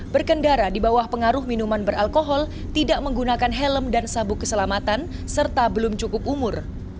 berkendara di bawah pengaruh minuman beralkohol tidak menggunakan helm dan sabuk keselamatan serta belum cukup umur